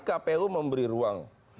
kpu memberi ruang